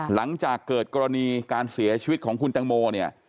หลังจากเกิดกรณีการเสียชีวิตของคุณตังโมเนี่ย